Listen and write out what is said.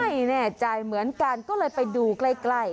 ไม่แน่ใจเหมือนกันก็เลยไปดูใกล้